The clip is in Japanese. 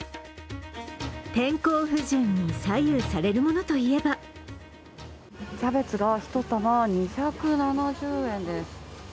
天候不順に左右されるものといえばキャベツが１玉２７０円です。